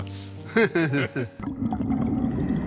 フフフフ！